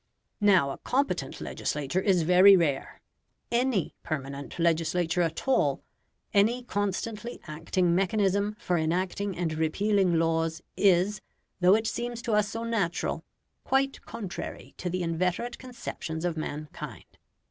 Now a competent legislature is very rare. ANY permanent legislature at all, any constantly acting mechanism for enacting and repealing laws, is, though it seems to us so natural, quite contrary to the inveterate conceptions of mankind.